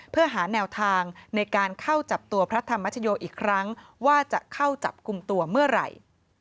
เพื่อหาแนวทางในการเข้าจับตัวพระธรรมชโยอีกครั้งว่าจะเข้าจับกลุ่มตัวเมื่อไหร่